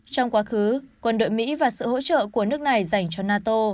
trong quá khứ quân đội mỹ và sự hỗ trợ của nước này dành cho nato